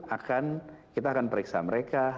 akan kita akan periksa mereka